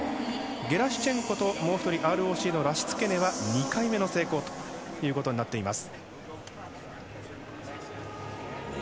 ゲラシチェンコともう１人、ＲＯＣのラシツケネは２回目で成功となっています。